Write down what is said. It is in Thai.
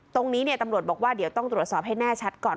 ตรงนี้ตำรวจบอกว่าเดี๋ยวต้องตรวจสอบให้แน่ชัดก่อน